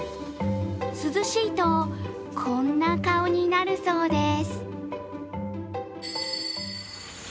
涼しいと、こんな顔になるそうです。